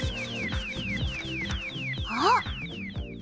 あっ！